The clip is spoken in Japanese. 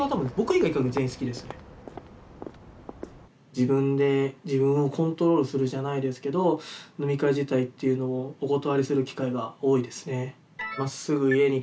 自分で自分をコントロールするじゃないですけど飲み会自体っていうのをお断りする機会が多いですね。